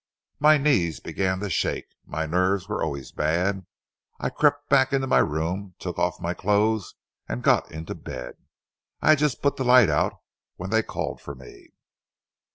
My knees began to shake. My nerves were always bad. I crept back into my room, took off my clothes and got into bed. I had just put the light out when they called for me."